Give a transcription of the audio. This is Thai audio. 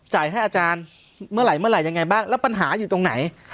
ให้อาจารย์เมื่อไหร่เมื่อไหร่ยังไงบ้างแล้วปัญหาอยู่ตรงไหน